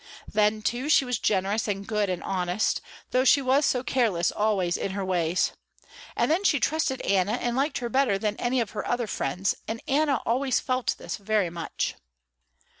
Then, too, she was generous and good and honest, though she was so careless always in her ways. And then she trusted Anna and liked her better than any of her other friends, and Anna always felt this very much.